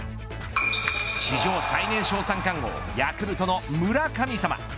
史上最年少三冠王ヤクルトの村神様。